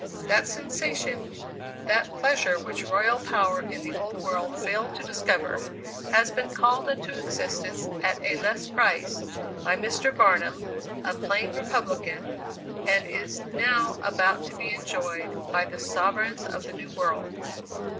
That sensation that pleasure which royal power in the old world failed to discover has been called into existence at a less price, by Mr. Barnum, a plain republican, and is now about to be enjoyed by the sovereigns of the new world.